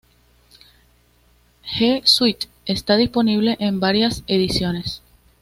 G Suite está disponible en varias ediciones.